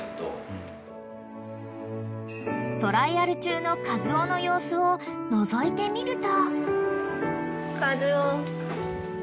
［トライアル中のカズオの様子をのぞいてみると］